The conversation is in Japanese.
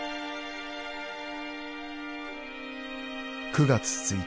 ［９月１日］